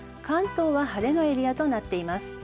関東は晴れのエリアとなっています。